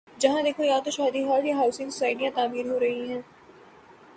جہاں دیکھو یا تو شادی ہال یا ہاؤسنگ سوسائٹیاں تعمیر ہو رہی ہیں۔